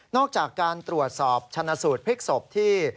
อกจากการตรวจสอบชนะสูตรพลิกศพที่